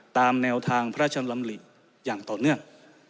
ตามแนวทางพระชำลำหลีอย่างต่อเนื่อง